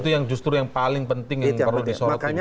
itu yang justru yang paling penting yang perlu disoroti